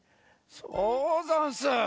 そうざんす。